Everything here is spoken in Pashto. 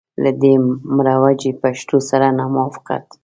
له دې مروجي پښتو سره نه موافقت.